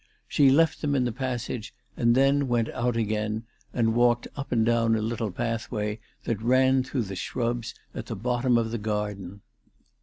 She left them in the passage and then went out again, and walked up and down a little pathway that ran through the shrubs at the bottom of the garden.